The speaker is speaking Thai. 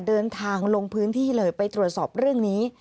เดินทางลงพื้นที่เลยไปตรวจสอบเรื่องนี้